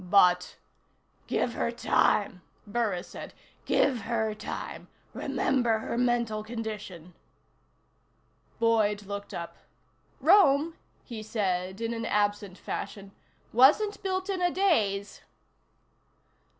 "But " "Give her time," Burris said. "Give her time. Remember her mental condition." Boyd looked up. "Rome," he said in an absent fashion, "wasn't built in a daze."